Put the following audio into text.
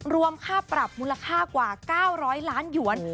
รวมค่าปรับมูลค่ากว่า๙๐๐ล้านหยวน